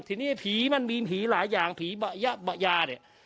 ทีนี้ผีมันมีผีหลายอย่างผียาเนี่ย